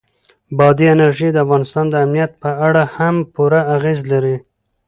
بادي انرژي د افغانستان د امنیت په اړه هم پوره اغېز لري.